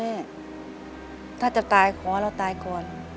แม่ถ้าจะตายขอเราตายก่อน